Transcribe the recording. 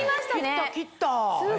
切った切った。